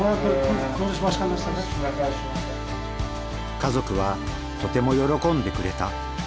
家族はとても喜んでくれた。